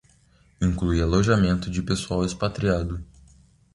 Inclui alojamento de pessoal expatriado.